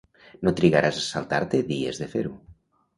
No trigaràs a saltar-te dies de fer-ho.